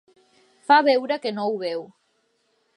Fa veure que no ho veu.